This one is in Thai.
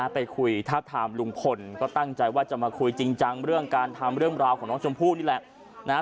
ไปคุยทาบทามลุงพลก็ตั้งใจว่าจะมาคุยจริงจังเรื่องการทำเรื่องราวของน้องชมพู่นี่แหละ